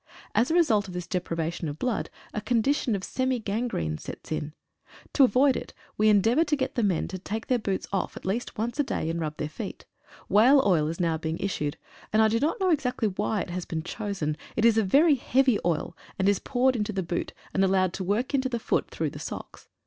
As a result of this deprivation of blood, a condition of semi gangrene sets in. To avoid it, we en deavour to get the men take off their boots at least once a day, and rub their feet. Whale oil is now being issued, and I do not know exactly why it has been chosen. It is a very heavy oil, and is poured into the boot and al lowed to work into the foot through the socks.